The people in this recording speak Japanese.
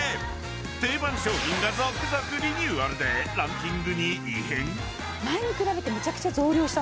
定番商品が続々リニューアルでランキングに異変？